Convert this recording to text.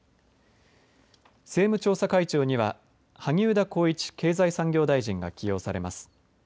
政務調査会長には萩生田光一経済産業大臣が起用されます。